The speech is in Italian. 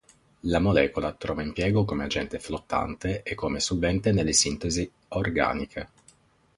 La molecola trova impiego come agente flottante e come solvente nelle sintesi organiche.